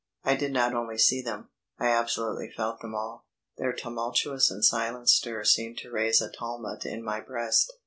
I did not only see them, I absolutely felt them all. Their tumultuous and silent stir seemed to raise a tumult in my breast.